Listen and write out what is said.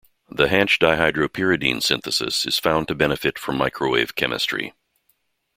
The Hantzsch dihydropyridine synthesis is found to benefit from microwave chemistry.